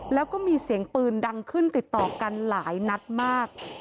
แล้วก็มีเสียงปืนดังขึ้นติดต่อกันหลายนัดมาก